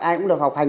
ai cũng được học hành